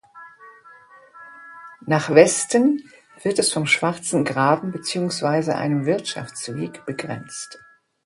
Nach Westen wird es vom Schwarzen Graben beziehungsweise einem Wirtschaftsweg begrenzt.